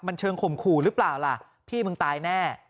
มันเชิงข่มขู่หรือเปล่าล่ะพี่มึงตายแน่